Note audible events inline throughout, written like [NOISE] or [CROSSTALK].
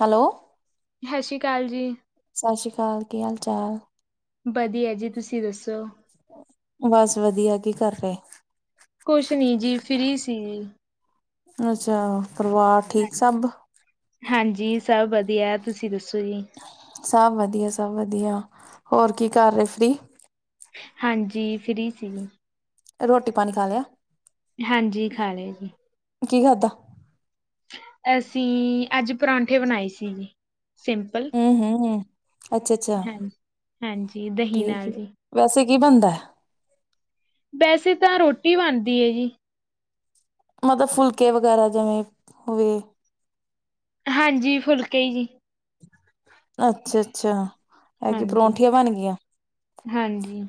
Hello ਸਸ ਸ੍ਰੀ ਕਾਲ ਜੀ। ਸਸ ਸ੍ਰੀ ਕਾਲ ਕੀ ਹਾਲ-ਚਾਲ। ਵਧੀਆ ਜੀ ਤੁਸੀਂ ਦੱਸੋ। ਬਸ ਵਧੀਆ ਕੀ ਕਰ ਰਹੇ। ਕੁਛ ਨੀ ਜੀ ਫ੍ਰੀ ਸੀ ਜੀ। ਅੱਛਾ ਪਰਿਵਾਰ ਠੀਕ ਜੀ। ਸਭ। ਹਾਂਜੀ ਸਭ ਵਧੀਆ ਤੁਸੀਂ ਦੱਸੋ ਜੀ। ਸਭ ਵਧੀਆ, ਸਭ ਵਧੀਆ ਹੋਰ ਕੀ ਕਰ ਰਹੇ ਫ੍ਰੀ। ਹਾਂਜੀ ਫ੍ਰੀ ਸੀ ਜੀ। ਰੋਟੀ ਪਾਣੀ ਖਾ ਲਿਆ। ਹਾਂਜੀ ਖਾ ਲਏ ਜੀ। ਕੀ ਖਾਧਾ? ਅਸੀਂ ਅੱਜ ਪਰਾਂਠੇ ਬਣਾਏ ਸੀ ਸਿੰਪ ਪਲ ਹੂੰ ਹੂੰ ਅੱਛਾ ਅੱਛਾ ਹਾਂ ਹਾਂਜੀ ਦਹੀ ਠੀਕ ਨਾਲ ਹੈ ਜੀ। ਵੈਸੇ ਕੀ ਬਣਦਾ। ਵੈਸੇ ਤਾਂ ਰੋਟੀ ਬਣਦੀ ਹੈ ਜੀ। ਮਤਲ ਫੁਲਕੇ ਵਗੈਰਾ ਜਿਵੇਂ ਹੋਵੇ। ਹਾਂਜੀ ਫੁਲਕੇ ਜੀ। ਅੱਛਾ-ਅੱਛਾ ਹਾਂਜੀ-ਹਾਂਜੀ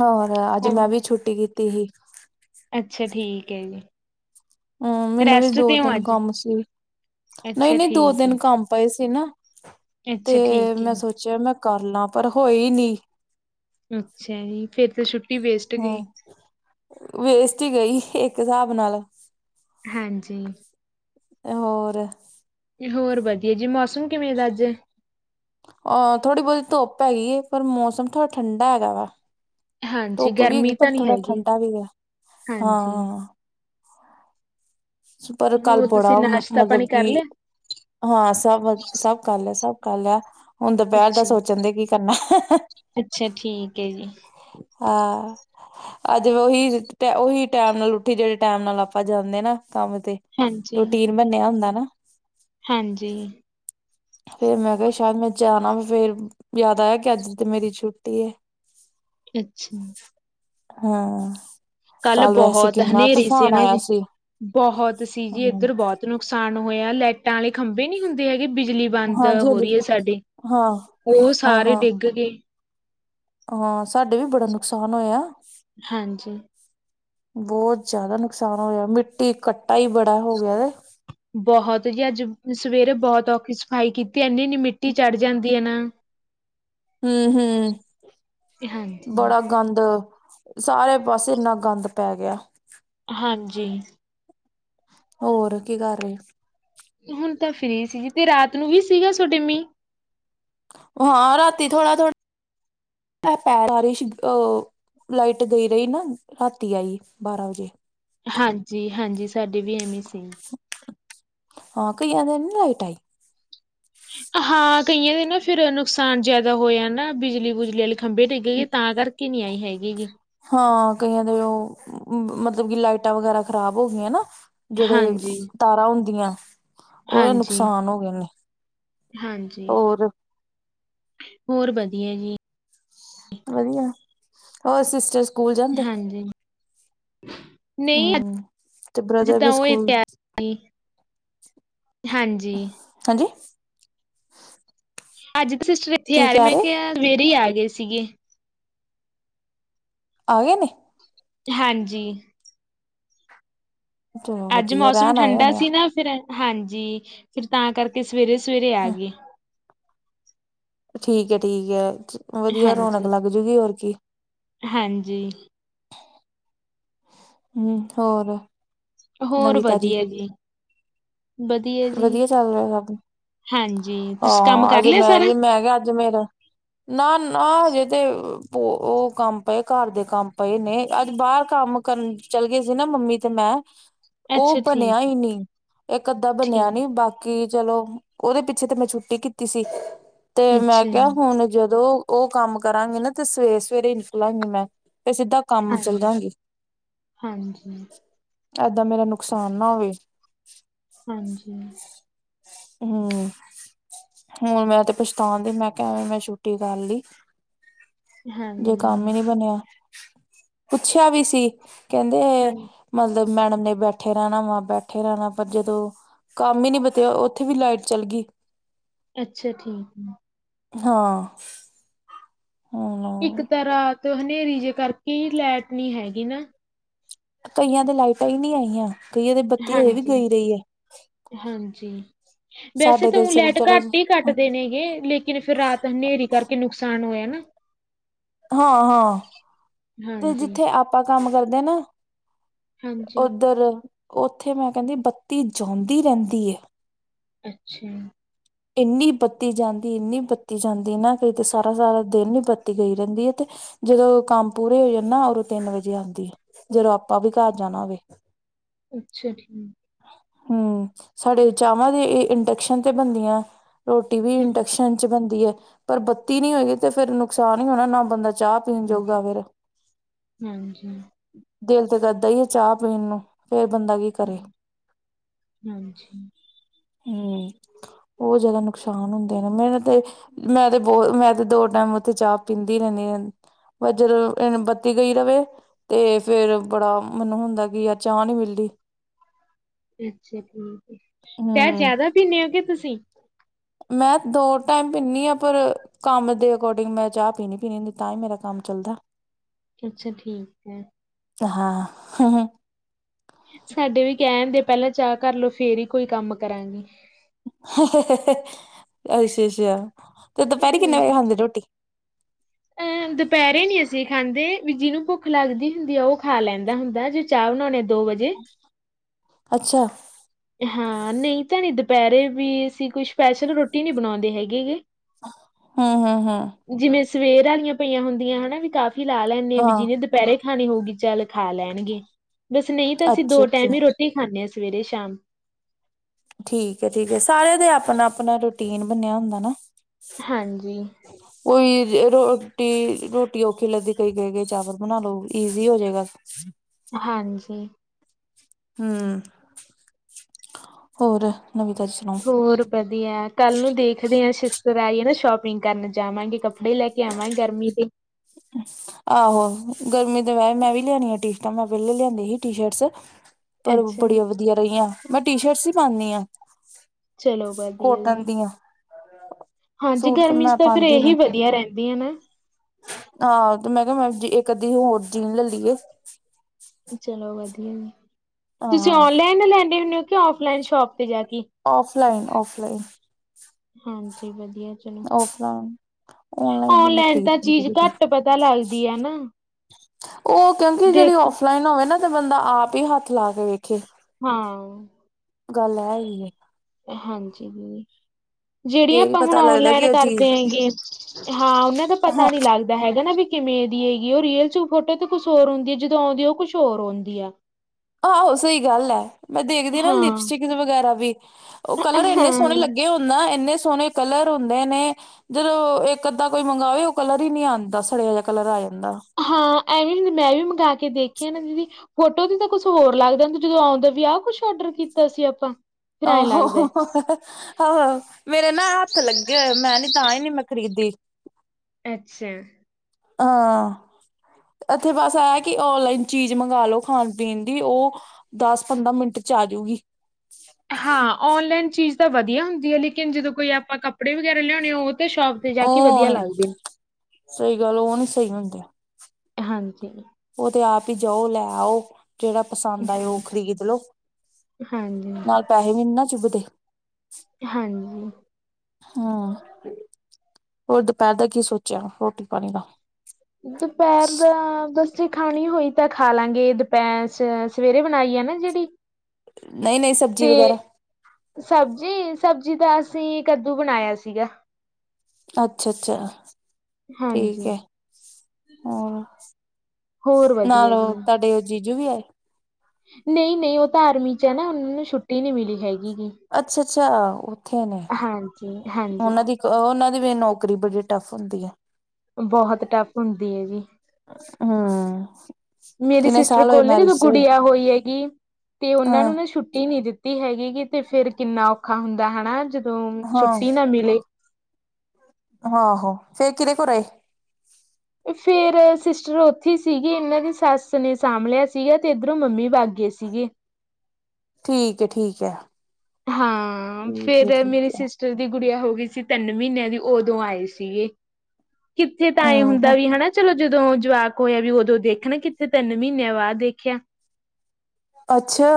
ਹੋਰ ਅੱਜ ਮੈਂ ਹੋਰ ਵੀ ਛੁੱਟੀ ਕੀਤੀ ਹੀ। ਅੱਛਾ ਠੀਕ ਐ ਜੀ। ਹਮ ਮੈਨੂੰ ਵੀ ਰੈਸਟ ਦੋ ਤੇ ਹੋ ਤਿੰਨ ਅੱਜ, ਕੰਮ ਸੀ, ਅੱਛਾ ਨਈਂ-ਨਈਂ ਦੋ ਠੀਕ ਤਿੰਨ ਹੈ। ਕੰਮ ਪਏ ਸੀ ਨਾ। ਅੱਛਾ ਤੇ ਠੀਕ ਹੈ ਮੈਂ ਜੀ, ਸੋਚਿਆ ਮੈਂ ਕਰ ਲਾਂ ਪਰ ਹੋਈ ਨੀ। ਅੱਛਾ ਜੀ ਫੇਰ ਤੇ ਛੁੱਟੀ ਵੇਸਟ ਗਈ। ਹਮ ਵੇਸਟ ਹੀ ਗਈ ਇੱਕ ਹਿਸਾਬ ਨਾਲ। ਹਾਂਜੀ ਹੋਰ ਹੋਰ ਵਧੀਆ ਜੀ, ਮੌਸਮ ਕਿਵੇਂ ਦਾ ਅੱਜ। ਅ ਥੋੜ੍ਹੀ ਬਹੁਤੀ ਧੁੱਪ ਹੈਗੀ ਏ ਪਰ ਮੌਸਮ ਥੋੜਾ ਠੰਡਾ ਹੈਗਾ ਵਾ। ਹਾਂਜੀ ਧੁੱਪ ਵੀ ਹੈਗੀ ਗਰਮੀ ਤਾਂ ਪਰ ਨਹੀਂ ਥੋੜਾ ਹੈਗੀ ਠੰਡਾ ਵੀ ਹੈਗਾ ਹਾਂਜੀ ਹਾ। ਪਰ ਕੱਲ ਹੋਰ ਬੜਾ ਤੁਸੀਂ ਨਾਸ਼ਤਾ ਮਤਲਬ ਪਾਣੀ ਕਿ ਕਰ ਲਿਆ ਹਾ ਸਭ ਵ ਸਭ ਕਰ ਲਿਆ, ਸਭ ਕਰ ਲਿਆ ਹੁਣ ਦੁਪਹਿਰ ਦਾ ਅੱਛਾ ਸੋਚਣ ਦੇ ਕੀ ਕਰਨਾ। ਅੱਛਾ ਠੀਕ ਐ ਜੀ। ਹਾਂ ਅੱਜ ਵੀ ਉਹੀ, ਉਹੀ ਟੈਮ ਨਾਲ ਉੱਠੀ ਜਿਹੜੇ ਟੈਮ ਨਾਲ ਆਪਾਂ ਜਾਂਦੇ ਨਾ ਕੰਮ ਤੇ। ਹਾਂਜੀ ਰੂਟੀਨ ਬਣਿਆ ਹੁੰਦਾ ਨਾ। ਹਾਂਜੀ ਫੇਰ ਮੈਂ ਕਿਹਾ ਸ਼ਾਇਦ ਮੈਂ ਜਾਣਾ ਵਾ ਫੇਰ ਯਾਦ ਆਇਆ ਕਿ ਅੱਜ ਤੇ ਮੇਰੀ ਛੁੱਟੀ ਐ। [INAUDIBLE] ਅੱਛਾ। ਹਾਂ। ਕੱਲ ਵੈਸੇ ਬਹੁਤ ਕਿੰਨਾ ਹਨੇਰੀ ਸੀ ਤੂਫਾਨ ਹਨ ਆਇਆ ਜੀ ਸੀ। ਬਹੁਤ ਸੀ ਜੀ ਹਾਂ, ਇੱਧਰ ਬਹੁਤ। ਨੁਕਸਾਨ ਹੋਇਆ ਲਾਈਟਾਂ ਵਾਲੇ ਖੰਭੇ ਨੀ ਹੁੰਦੇ ਹੈਗੇ ਬਿਜਲੀ ਬੰਦ ਹਾਂਜੀ ਹੋ ਹਾਂਜੀ ਰਹੀ ਹੈ ਸਾਡੀ ਹਾਂ ਉਹ ਹਾਂ ਸਾਰੇ ਹਾਂ ਡਿੱਗ ਗਏ। ਹਾਂ, ਸਾਡੇ ਵੀ ਬੜਾ ਨੁਕਸਾਨ ਹੋਇਆ। ਹਾਂਜੀ। ਬਹੁਤ ਜਿਆਦਾ ਨੁਕਸਾਨ ਹੋਇਆ ਮਿੱਟੀ ਕੱਟਾ ਹੀ ਬੜਾ ਹੋ ਗਿਆ ਤੇ ਬਹੁਤ ਜੀ ਅੱਜ ਸਵੇਰੇ ਬਹੁਤ ਔਖੀ ਸਫ਼ਾਈ ਕੀਤੀ ਇਨੀ ਇੰਨੀ ਮਿੱਟੀ ਚੜ੍ਹ ਜਾਂਦੀ ਹੈ ਨਾ। ਹਮ- ਹਮ ਹਾਂਜੀ। ਬੜਾ ਗੰਦ ਸਾਰੇ ਪਾਸੇ ਇੰਨਾ ਗੰਦ ਪੈ ਗਿਆ। ਹਾਂਜੀ। ਹੋਰ ਕੀ ਕਰ ਰਹੇ? ਹੁਣ ਤਾਂ ਫਰੀ ਸੀ ਜੀ ਤੇ ਰਾਤ ਨੂੰ ਵੀ ਸੀਗਾ ਤੁਹਾਡੇ ਮੀਂਹ। ਹਾਂ, ਰਾਤੀ ਥੋੜਾ- ਥੋੜਾ ਬਾਰਿਸ਼ ਆਹ ਲਾਈਟ ਗਈ ਰਹੀ ਨਾ ਰਾਤੀ ਆਈ ਬਾਰਾਂ ਵਜੇ। ਹਾਂਜੀ- ਹਾਂਜੀ ਸਾਡੇ ਵੀ ਐਵੇਂ ਸੀ। ਹਾਂ ਕਈਆਂ ਦਿਨ ਨ ਲਾਈਟ ਆਈ। ਹਾਂ, ਕਈਏ ਨਾ ਫਿਰ ਨੁਕਸਾਨ ਜ਼ਿਆਦਾ ਹੋਇਆ ਨਾ ਬਿਜਲੀ ਬੁਜਲੀ ਵਾਲੇ ਖੰਭੇ ਡਿੱਗ ਗਈਏ ਤਾਂ ਕਰਕੇ ਕਿੰਨੀ ਆਈ ਹੈਗੀ ਗੀ। ਹਾਂ ਕਈਆਂ ਦੇ ਉਹ ਮਤਲਬ ਕਿ ਲਾਈਟਾਂ ਵਗੈਰਾ ਖ਼ਰਾਬ ਹੋ ਗਈਆਂ ਨਾ। ਜਿਹੜੇ ਹਾਂਜੀ ਤਾਰਾਂ ਹੁੰਦੀਆਂ ਉਹਦੇ ਹਾਂਜੀ। ਨੁਕਸਾਨ ਹੋ ਗਏ ਨੇ। ਹਾਂਜੀ। ਹੋਰ ਹੋਰ ਵਧੀਆ ਜੀ। ਵਧੀਆ ਹੋਰ ਸਿਸਟਰ ਸਕੂਲ ਜਾਂਦੇ ਹਾਂਜੀ। [UNINTELLIGIBLE] ਹਮ ਤੇ ਬ੍ਰਦਰ ਵੀ ਸਕੂਲ ਹਾਂਜੀ। ਹਾਂਜੀ। ਅੱਜ ਸਿਸਟਰ ਇੱਥੇ ਕੀ ਆ ਰਹੇ ਕਹਿ ਮੈਂ ਕਿਹਾ ਸਵੇਰੇ ਹੀ ਆ ਗਏ ਸੀਗੇ। ਆਗੇ ਨੇ। ਹਾਂਜੀ। ਚਲੋ ਅੱਜ ਵਧੀਆ ਮੌਸਮ ਰਹਿਣ ਆਏ ਠੰਡਾ ਹੋਣੇ ਆ ਸੀ ਨਾ ਫਿਰ ਹਾਂਜੀ ਫਿਰ ਤਾਂ ਕਰਕੇ ਸਵੇਰੇ ਸਵੇਰੇ ਆ ਹਮ, ਗਏ। ਠੀਕ ਹੈ ਠੀਕ ਹੈ ਵਧੀਆ ਰੌਣਕ ਹਾਂਜੀ ਲੱਗ ਜੂਗੀ ਹੋਰ ਕੀ। ਹਾਂਜੀ ਹਮ ਹੋਰ। ਹੋਰ ਨਵੀਂ ਤਾਜੀ ਵਧੀਆ ਜੀ। ਵਧੀਆ। ਜੀ ਵਧੀਆ ਚੱਲ ਰਿਹਾ ਸਭ ਹਾਂਜੀ ਤੁਸੀਂ ਕੰਮ ਹਹ ਕਰ ਅੱਜ ਲਿਆ ਸਾਰਾ ਮੈਂ ਮੈਂ ਕਿਹਾ ਅੱਜ ਮੇਰਾ। ਨਾ ਨਾ ਹਜੇ ਤੇ ਉਹ ਕੰਮ ਪਏ ਘਰ ਦੇ ਕੰਮ ਪਏ ਨੇ ਅੱਜ ਬਾਹਰ ਕੰਮ। ਕਰਨ ਚੱਲ ਗਏ ਸੀ ਨਾ ਮੰਮੀ ਤੇ ਮੈਂ ਉਹ ਅੱਛਾ ਬਣਿਆ ਠੀਕ ਹੀ ਨਹੀਂ ਇਕ ਅੱਧਾ ਬਣਿਆ ਠੀਕ ਨੀ ਬਾਕੀ ਚਲੋ ਓਦੇ ਪਿੱਛੇ ਤੇ ਮੈਂ ਛੁੱਟੀ ਕੀਤੀ ਸੀ। ਤੇ ਮੈਂ ਅੱਛਾ ਕਿਹਾ ਜੀ ਹੁਣ ਜਦੋਂ ਉਹ ਕੰਮ ਕਰਾਂਗੇ ਨਾ ਤੇ ਸਵੇਰੇ ਸਵੇਰੇ ਨਿਕਲਾਂਗੀ ਮੈਂ ਤੇ ਸਿੱਧਾ ਕੰਮ ਚੱਲ ਹਾਂਜੀ ਜਾਗੀ ਹਾਂਜੀ ਏਦਾਂ ਮੇਰਾ ਨੁਕਸਾਨ ਨਾ ਹੋਵੇ। ਹਾਂਜੀ। ਹਮ। ਹੁਣ ਮੈਂ ਤੇ ਪਛਤਾਣਦੀ ਮੈਂ ਕਿਹਾ ਮੈਂ ਛੁੱਟੀ ਕਰ ਲਈ। ਜੇ ਕੰਮ ਹੀ ਹਾਂਜੀ ਨਹੀਂ ਬਣਿਆ ਪੁੱਛਿਆ ਵੀ ਸੀ ਕਹਿੰਦੇ। ਹਾਂ ਮਤਲਬ ਮੈਡਮ ਨੇ ਬੈਠੇ ਰਹਿਣਾ ਵਾ ਬੈਠੇ ਰਹਿਣਾ ਪਰ ਜਦੋਂ ਕੰਮ ਹੀ ਨੀ ਬਤਿਆ ਇਥੇ ਵੀ ਲਾਈਟ ਚੱਲ ਗਈ ਅੱਛਾ। ਠੀਕ ਹੈ। ਹਾਂ ਹਮ ਇੱਕ ਤ ਰਾਤ ਹਨੇਰੀ ਜੇ ਕਰਕੇ ਲੈਟ ਨੀ ਹੈਗੀ ਨਾ ਕਈਆਂ ਦੇ ਲਾਈਟਾਂ ਹੀ ਨਹੀਂ ਆਈਆਂ ਕਈਆਂ ਦੇ ਬੱਤੀ ਹ ਵੀ ਹਾਂਜੀ ਗਈ ਰਹੀ ਹੈ। ਹਾਂਜੀ ਵੈਸੇ ਸਾਡੇ ਤੂੰ ਤੇ ਸਿਰਫ ਲੈਟ ਚਲੋ ਘੱਟ ਹੀ ਘੱਟ ਕੱਟ ਦੇ ਨੇਗੇ ਲੇਕਿਨ ਫਿਰ ਰਾਤ ਹਨੇਰੀ ਕਰਕੇ ਨੁਕਸਾਨ ਹੋਇਆ ਨਾ। ਹਾਂ ਹਾਂ ਤੇ ਹਾਂਜੀ, ਜਿੱਥੇ ਆਪਾਂ ਕੰਮ ਕਰਦੇ ਨਾ ਹਾਂਜੀ ਓਦਰ ਉੱਥੇ ਮੈਂ ਕੈਂਦੀ ਬੱਤੀ ਜਾਂਦੀ ਰਹਿੰਦੀ ਹੈ। ਅੱਛਾ ਇੰਨੀ ਬੱਤੀ ਜਾਂਦੀ ਇੰਨੀ ਬੱਤੀ ਜਾਂਦੀ ਨਾ ਕਈ ਤੇ ਸਾਰਾ ਸਾਰਾ ਦਿਨ ਹੀ ਬੱਤੀ ਗਈ ਰੈਂਦੀ ਹੈ ਤੇ ਜਦੋਂ ਕੰਮ ਪੂਰੇ ਹੋ ਜਾਂਦਾ ਉਦੋਂ ਤਿੰਨ ਵਜੇ ਆਂਦੀ ਆ ਜਦੋਂ ਆਪਾਂ ਵੀ ਘਰ ਜਾਣਾ ਹੋਵੇ। ਅੱਛਾ ਠੀਕ ਹਮ ਸਾਡੇ ਚਾਵਾਂ ਦੇ ਇੰਡਕਸ਼ਨ ਤੇ ਬਣਦੀਆਂ ਰੋਟੀ ਵੀ ਹਾਂਜੀ, ਇੰਡਕਸ਼ਨ ਚ ਬਣਦੀ ਹੈ ਪਰ ਬੱਤੀ ਨੀ ਹੋਏਗੀ ਤੇ ਫੇਿਰ ਨੁਕਸਾਨ ਹੀ ਹੋਣਾ ਨਾ ਬੰਦਾ ਚਾਹ ਪੀਣ ਹਾਂਜੀ ਜੋਗਾ ਫੇਰ ਹਾਂਜੀ ਦਿਲ ਤੇ ਕਰਦਾ ਹੀ ਹੈ ਚਾਹ ਪੀਣ ਨੂੰ ਫੇਰ ਬੰਦਾ ਕੀ ਕਰੇ ਹਮ ਹਾਂਜੀ ਹਮ ਉਹ ਜਾਦਾ ਨੁਕਸਾਨ ਹੁੰਦੇ ਨੇ ਮੈਨੂੰ ਤੇ ਮੈਂ ਤੇ ਬਹੁਤ ਮੈਂ ਤੇ ਦੋ ਟੈਮ ਉੱਥੇ ਚਾਹ ਪੀਂਦੀ ਰੈਂਦੀ ਆਂ। ਵਜਰ ਬੱਤੀ ਗਈ ਰਵੇ। ਤੇ ਫਿਰ ਬੜਾ ਮੈਨੂੰ ਹੁੰਦਾ ਕੀ ਯਾਰ ਚਾਹ ਨੀ ਮਿਲਦੀ ਅੱਛਾ ਠੀਕ ਚਾਹ ਹੂੰ ਜਾਦਾ ਪੀਨੇ ਹੋਗੇ ਤੁਸੀਂ? ਮੈਂ ਦੋ ਟੈਮ ਪੀਨੀ ਆ ਪਰ। ਕੰਮ ਦੇ ਅਕੋਰਡਿੰਗ ਮੈਂ ਚਾਹ ਪੀਣੀ ਪੀਣੀ ਹੁੰਦੀ ਤਾਂ ਹੀ ਮੇਰਾ ਕੰਮ ਚੱਲਦਾ ਅੱਛਾ ਠੀਕ ਹੈ। ਹਾਂ ਹਮ ਹ ਸਾਡੇ ਵੀ ਕੈਣ ਦੇ ਪੈਲਾਂ ਚਾਹ ਕਰ ਲਓ ਫੇਰ ਹੀ ਕੋਈ ਕੰਮ ਕਰਾਂਗੇ। ਅੱਛਾ ਅੱਛਾ ਤੇ ਦੁਪਹਿਰੀ ਕਿੰਨੇ ਵਜੇ ਹਮ, ਖਾਂਦੇ ਰੋਟੀ ਅਹ ਦੁਪੈਰੇ ਨੀ ਅਸੀਂ ਖਾਂਦੇ ਵੀ ਜਿਨੂੰ ਭੁੱਖ ਲੱਗਦੀ ਹੁੰਦੀ ਆ ਉਹ ਖਾ ਲੈਂਦਾ ਹੁੰਦਾ ਜ ਚਾਵਣਾਣੇ ਆ ਦੋ ਵਜੇ ਅੱਛਾ। ਹਾਂ ਨਹੀਂ ਤਾਂ ਨਹੀਂ ਦੁਪੈਰੇ ਵੀ ਅਸੀਂ ਕੋਈ ਸਪੈਸ਼ਲ ਰੋਟੀ ਨਹੀਂ ਬਣਾਂਦੇ ਹੈਗੇ ਗੇ। ਹਮ ਹਮ ਹਮ ਜਿਵੇਂ ਸਵੇਰ ਆਲੀਆਂ ਪਈਆਂ ਹੁੰਦੀਆਂ ਹਨਾ ਵੀ ਕਾਫ਼ੀ ਲਾ ਲੈਂਦੇ ਹਾਂ ਵੀ ਜਿਹਨੇ ਦੁਪੈਰੇ ਖਾਣੇ ਹੋ ਗਈ ਚੱਲ ਖਾ ਲੈਣਗੇ ਬਸ ਨਹੀਂ ਤਾਂ ਅਸੀਂ ਅੱਛਾ ਦੋ ਅੱਛਾ ਟੈਮ ਹੀ ਰੋਟੀ ਖਾਂਦੇ ਹਾਂ ਸਵੇਰੇ ਸ਼ਾਮ। ਠੀਕ ਠੀਕ ਸਾਰਿਆਂ ਦੇ ਆਪਣਾ ਆਪਣਾ ਰੂਟੀਨ ਬਣਿਆ ਹੁੰਦਾ ਨਾ ਹਾਂਜੀ ਕੋਈ ਰੋਟੀ ਰੋਟੀ ਔਖੀ ਲੱਗਦੀ ਕਈ ਕ ਗਏ ਚਾਵਲ ਬਣਾ ਲੋ ਈਜ਼ੀ ਹੋ ਜਾਏਗਾ। ਸਸ। ਹਾਂਜੀ ਹਮ ਹੋਰ ਨਵੀਂ ਤਾਜੀ ਸੁਣਾਓ। ਹੋਰ ਵਦੀਆ ਕੱਲ ਨੂੰ ਦੇਖਦੇ ਹਾਂ ਸ਼ਿਸਟਰ ਆਈਏ ਨਾ ਸ਼ੋਪਿੰਗ ਕਰਨ ਜਾਵਾਂਗੇ ਕੱਪੜੇ ਕੱਪੜੇ ਲੈ ਕੇ ਆਵਾਂ ਗਰਮੀ ਦੇ। ਅੱ ਆਹੋ ਗਰਮੀ ਦੇ ਮੈਂ ਵੀ ਲਿਆਣੀ ਆ ਟੀ ਸ਼ਰਟਾਂ ਮੈਂ ਪਹਿਲੇ ਲਿਆਂਦੀ ਸੀ ਟੀ ਸ਼ਰਟਸ। ਪਰ ਅੱਛਾ ਬੜੀਆਂ ਵਧੀਆ ਰਹੀਆਂ ਮੈਂ ਟੀ ਸ਼ਰਟਸ ਹੀ ਪਾਉਂਦੀ ਆ। ਚਲੋ ਵਧੀਆ ਜੀ। ਹਾਂਜੀ ਸੂਟ ਤੇ ਗਰਮੀ ਚ ਮੈਂ ਤਾਂ ਫੇਿਰ ਇਹੀ ਵਧੀਆ ਰਹਿੰਦੀਆਂ ਨਾ। ਆਹ ਤੇ ਮੈਂ ਕਿਹਾ ਮੈਂ ਇੱਕ ਅੱਧੀ ਹੋਰ ਜੀਨ ਲੈ ਲਈਏ। ਚਲੋ ਵਧੀਆ ਜੀ ਤੁਸੀਂ ਹਾਂ ਔਨਲਾਈਨ ਲੈਂਦੇ ਹੁੰਦੇ ਹੋ ਕਿ ਆਫਲਾਈਨ ਸ਼ੋਪ ਤੇ ਜਾ ਕੇ। Offline offline. ਹਾਂਜੀ ਵਧੀਆ ਜੀ। ਔਫਲਾਈਨ ਨੀ ਮੈਂ ਔਨਲਾਈਨ ਤਾਂ ਚੀਜ਼ ਖਰੀਦਦੀ ਘੱਟ ਪਤਾ ਲੱਗਦੀ ਆ ਨਾ। ਉਹ ਕਿਉਂਕਿ ਜਿਹੜੀ ਦੇਖ ਓਫਲਾਈਨ ਹੋਵੇ ਨਾ ਤੇ ਬੰਦਾ ਆਪ ਹੀ ਹੱਥ ਲਾ ਕੇ ਵੇਖੇ। ਹਾਂ। ਗੱਲ ਹੈਗੀ। ਹਾਂਜੀ ਦੀਦੀ। ਜਿਹੜੀਆਂ ਫੇਰ ਹੀ ਆਪਾਂ ਹੁਣ ਪਤਾ ਲੱਗਦਾ ਔਨਲਾਈਨ ਕਿ ਉਹ ਚੀਜ਼ ਕਰਦੇ ਹੈਗੇ ਹਾਂ ਉਹਨਾਂ ਦਾ ਪਤਾ ਨੀ ਲੱਗਦਾ। ਹੈਗਾ ਨਾ ਵੀ ਕਿਵੇਂ ਦੀ ਹੈਗੀ ਉਹ ਰੀਅਲ ਚ ਫੋਟੋ ਤੇ ਕੁਛ ਹੋਰ ਹੁੰਦੀ ਹੈ ਜਦੋਂ ਆਉਂਦੀ ਆ ਉਹ ਕੁਛ ਹੋਰ ਆਉਂਦੀ ਆ। ਆਹੋ ਸਹੀ ਗੱਲ ਹੈ। ਮੈਂ ਦੇਖਦੀ ਨਾ ਹਾਂ ਲਿਪਸਟਿਕ ਵਗੈਰਾ ਵੀ। ਉਹ ਕਲਰ ਇੰਨੇ ਸੋਹਣੇ ਹਾਂ ਲੱਗੇ ਹੁੰਦਾ ਇੰਨੇ ਸੋਹਣੇ ਕਲਰ ਹੁੰਦੇ ਨੇ। ਜਦੋਂ ਇੱਕ ਅੱਧਾ ਕੋਈ ਮੰਗਵੇ ਉਹ ਕਲਰ ਹੀ ਨਹੀਂ ਆਉਂਦਾ ਸੜਿਆ ਜਹਾ ਕਲਰ ਆ ਜਾਂਦਾ। ਹਾਂ ਐਵੇਂ ਮੈਂ ਵੀ ਮੰਗ ਕੇ ਦੇਖਿਆ ਨਾ ਦੀਦੀ ਫੋਟੋ ਤੇ ਤਾਂ ਕੁਛ ਹੋਰ ਲੱਗਦਾ ਜਦੋਂ ਆਉਂਦਾ ਵੀ ਆਹ ਕੁਛ ਆਰਡਰ ਕੀਤਾ ਸੀ ਆਪਾਂ। ਫਿਰ ਆੋ ਐਂ ਲੱਗਦਾ। ਆਹੋਹੋ ਮੇਰੇ ਨਾ ਹੱਥ ਲੱਗੇ ਹੋ ਮੈਂ ਨੀ ਤਾਂ ਹੀ ਨੀ ਮੈਂ ਖਰੀਦੀ। ਅੱਛਾ। ਹਾਂ। ਇੱਥੇ ਬਸ ਆ ਕਿ ਔਨਲਾਈਨ ਚੀਜ਼ ਮੰਗਵਾ ਲਿਆ ਲੋ ਖਾਣ ਪੀਣ ਦੀ ਉਹ ਦਸ ਪੰਦਰਾਂ ਮਿੰਟ ਚ ਆਜਊਗੀ। ਹਾਂ ਔਨਲਾਈਨ ਚੀਜ਼ ਤਾਂ ਵਧੀਆ ਹੁੰਦੀ ਹੈ ਲੇਕਿਨ ਜਦੋਂ ਕੋਈ ਆਪਾਂ ਕੱਪੜੇ ਵਗੈਰਾ ਲਿਆਉਣੇ ਓ ਉਹ ਨਹੀਂ ਸਹੀ ਗੱਲ ਉਹ ਨੀ ਸਹੀ ਹੁੰਦੀ। ਹਾਂਜੀ। ਉਹ ਤੇ ਆਪ ਹੀ ਜਾਓ ਲੈ ਆਓ। ਜਿਹੜਾ ਪਸੰਦ ਆਏ ਹਾਂ, ਉਹ ਖ਼ਰੀਦ ਲੋੋ ਹਾਂਜੀ। ਨਾਲ। ਪੈਸੇ ਵੀ ਨਹੀਂ ਨਾ ਚੁੱਭਦੇ। ਹਾਂਜੀ। ਹਮ ਹੋਰ ਦੁਪਹਿਰ ਦਾ ਕੀ ਸੋਚਿਆ ਰੋਟੀ ਪਾਣੀ ਦਾ। ਦੁਪਹਿਰ ਦਾ ਦੱਸ ਜੇ ਖਾਣੀ ਹੋਈ ਤਾਂ ਖਾ ਲਾਂਗੇ ਦੁਪਹਿਰ ਸਵੇਰੇ ਬਣਾਈ ਆ ਨਾ ਜਿਹੜੀ। ਨਹੀਂ ਨਹੀਂ ਸਰ ਤੇ ਸਬਜੀ ਸਬਜੀ ਦਾ ਅਸੀਂ ਕੱਦੂ ਬਣਾਇਆ ਸੀਗਾ। ਅੱਛਾ ਅੱਛਾ ਠੀਕ ਹਾਂਜੀ। ਹੈ ਹੋਰ। ਹੋਰ ਨਾਲ ਵਧੀਆ ਉਹ ਜੀ, ਤੁਹਾਡੇ ਉਹ ਜੀਜੂ ਵੀ ਆਏ। ਨਹੀਂ ਨਹੀਂ ਉਹ ਤਾਂ ਆਰਮੀ ਚ ਹੈ ਨਾ ਉਹ ਨੂੰ ਛੁੱਟੀ ਨਹੀ ਮਿਲੀ ਹੈਗੀਗੀ। ਅੱਛਾ ਅੱਛਾ ਉੱਥੇ ਨੇ ਹਾਂਜੀ-ਹਾਂਜੀ, ਉਹਨਾਂ ਦੀ ਉਹਨਾਂ ਦੀ ਵੀ ਨੌਕਰੀ ਬੜੀ ਟਫ ਹੁੰਦੀ ਹੈ। ਬਹੁਤ ਟਫ ਹੁੰਦੀ ਹੈ ਜੀ। ਹਮ। ਮੇਰੀ ਕਿੰਨੇ ਸਿਸਟਰ ਸਾਲ ਹੋਏ ਕੋਲ ਨਾ ਮੈਰਿਜ ਜਦੋਂ ਚ ਹੋਏ ਗੁੜੀਆ ਹੋਈ ਹੈਗੀ ਤੇ ਉਹਨਾਂ ਹਾਂ ਨੂੰ ਨਾ ਛੁੱਟੀ ਨਹੀਂ ਦਿੱਤੀ। ਹੈਗੀਗੀ ਤੇ ਫਿਰ ਕਿੰਨਾ ਔਖਾ ਹੁੰਦਾ ਹੈਾ ਜਦੋਂ ਛੁੱਟੀ ਨਾ ਮਿਲੇ। ਹਾਂ ਹੋ ਫਿਰ ਕਿਦੇ ਕੋਲ ਰਏ। ਫੇਰ ਸਿਸਟਰ ਉੱਥੇ ਸੀਗੀ ਇਹਨਾਂ ਦੀ ਸੱਸ ਨੇ ਸਾਂਭ ਲਿਆ ਸੀਗਾ ਤੇ ਇੱਧਰੋਂ ਮੰਮੀ ਵ ਬਾਗੇਏ ਸੀਗੇ। ਠੀਕ ਏ, ਠੀਕ ਹੈ। ਹਾਂ, ਠੀਕ ਹੈ ਫੇਰ ਠੀਕ ਮੇਰੀ ਹੈ ਸਿਸ ਟਰ ਦੀ ਗੁੜੀਆ ਹੋ ਗਈ ਸੀ ਤਿੰਨ ਮਹੀਨਿਆਂ ਦੀ, ਉਦੋਂ ਆਏ ਸੀਗੇ। ਕਿੱਥੇ ਟਾਈਮ ਹਮ ਹੁੰਦਾ ਵੀ ਹਨਾ ਚਲੋ? ਜਦੋਂ ਜਵਾਕ ਹੋਇਆ ਵੀ ਉਦੋਂ ਦੇਖਣਾ ਕਿੱਥੇ? ਤਿੰਨ ਮਹੀਨਿਆਂ ਬਾਅਦ ਦੇਖਿਆ। ਅੱਛਾ।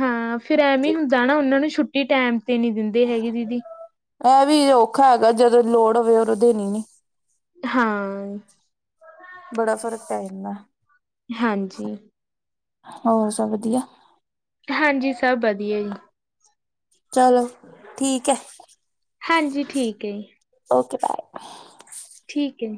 ਹਾਂ, ਫਿਰ ਐਵੇਂ ਈ ਹੁੰਦਾ ਨਾ, ਉਹਨਾਂ ਨੂੰ ਛੁੱਟੀ ਟੈਮ ਤੇ ਨਹੀਂ ਦਿੰਦੇ ਹੈਗੇ ਦੀਦੀ। ਏਹ ਵੀ ਔਖਾ ਹੈਗਾ, ਜਦੋਂ ਲੋੜ ਹੋਵੇ, ਉਦੋਂ ਦੇਣੀ ਨੀ। ਹਾਂ। ਬੜਾ ਫ਼ਰਕ ਪੈ ਜਾਂਦਾ। ਹਾਂਜੀ। ਹੋਰ ਸਭ ਵਧੀਆ? ਹਾਂਜੀ ਸਭ ਵਧੀਆ ਜੀ। ਚਲੋ, ਠੀਕ ਹੈ। ਹਾਂਜੀ, ਠੀਕ ਏ। Okay bye bye. ਠੀਕ ਏ।